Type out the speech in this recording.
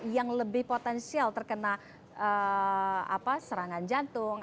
yang lebih potensial terkena serangan jantung